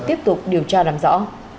tiếp tục điều tra làm rõ